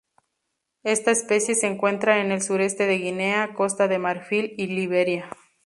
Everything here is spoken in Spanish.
Esta especie se encuentra en el sureste de Guinea, Costa de Marfil y Liberia.